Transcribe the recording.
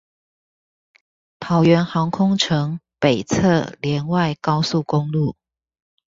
桃園航空城北側聯外高速公路